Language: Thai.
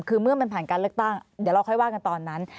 คือเมื่อมันผ่านการเลือกตั้งเดี๋ยวเราค่อยว่ากันตอนนั้น